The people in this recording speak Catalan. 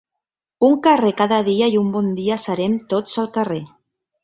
Un carrer cada dia i un bon dia serem tots al carrer.